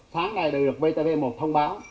sáng nay đã được vtv một thông báo